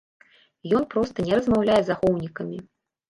Ён проста не размаўляе з ахоўнікамі.